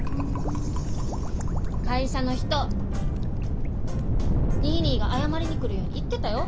会社の人ニーニーが謝りに来るように言ってたよ。